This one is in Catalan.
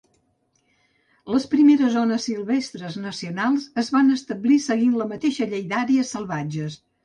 Les primeres zones silvestres nacionals es van establir seguint la mateixa Llei d'àrees salvatges.